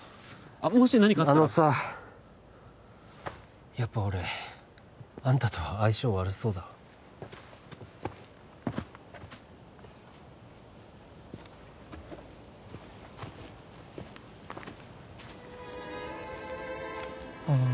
あっもし何かあのさやっぱ俺あんたとは相性悪そうだわあー